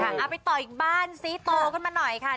เอาไปต่ออีกบ้านซิโตขึ้นมาหน่อยค่ะ